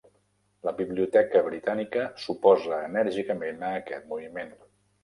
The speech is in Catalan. La Biblioteca Britànica s'oposa enèrgicament a aquest moviment.